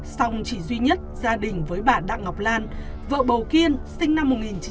xong chỉ duy nhất gia đình với bà đặng ngọc lan vợ bầu kiên sinh năm một nghìn chín trăm bảy mươi